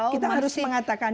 kita harus mengatakan